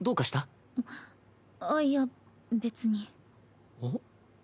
あっいや別に。